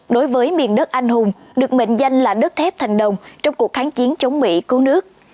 đối với miền đất anh hùng được mệnh danh là đất thép thành đồng trong cuộc kháng chiến chống mỹ cứu nước